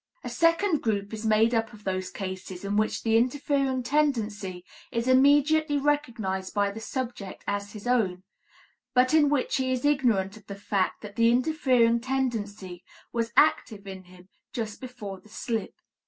A second group is made up of those cases in which the interfering tendency is immediately recognized by the subject as his own, but in which he is ignorant of the fact that the interfering tendency was active in him just before the slip.